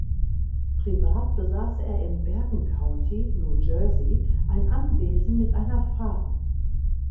Privat besaß er im Bergen County (New Jersey) ein Anwesen mit einer Farm.